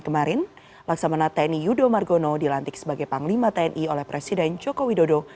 kemarin laksamana tni yudo margono dilantik sebagai panglima tni oleh presiden joko widodo